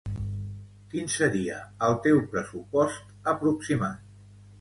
Quin seria el teu pressupost aproximat?